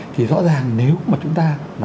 thì rõ ràng nếu mà chúng ta